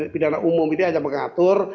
pidana umum ini hanya mengatur